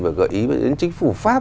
vừa gợi ý đến chính phủ pháp